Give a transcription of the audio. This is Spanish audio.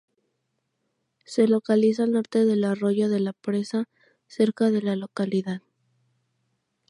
Se localiza al norte del arroyo de la Presa, cerca de la localidad.